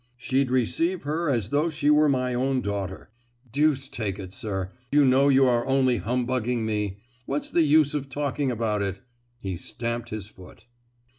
She'd receive her as though she were my own daughter. Deuce take it, sir, you know you are only humbugging me,—what's the use of talking about it?" He stamped his foot.